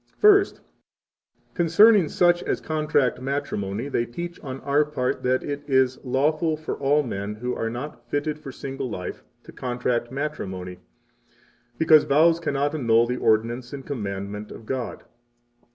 18 First, concerning such as contract matrimony, they teach on our part that it is lawful for all men who are not fitted for single life to contract matrimony, because vows cannot annul the ordinance and commandment of God.